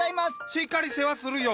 しっかり世話するよ。